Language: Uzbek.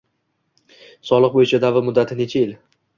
Soliq bo‘yicha da’vo muddati necha yil?